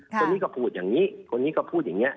คนนี้ก็พูดอย่างนี้คนนี้ก็พูดอย่างนี้